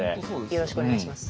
よろしくお願いします。